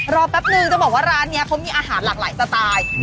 แป๊บนึงจะบอกว่าร้านนี้เขามีอาหารหลากหลายสไตล์